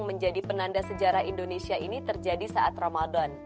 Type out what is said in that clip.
menjadi penanda sejarah indonesia ini terjadi saat ramadan